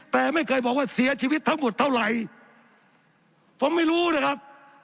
แต่ไม่เคยบอกว่าเสียชีวิตทั้งหมดเท่าไหร่ผมไม่รู้นะครับ